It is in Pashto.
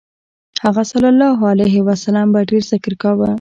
هغه ﷺ به ډېر ذکر کاوه.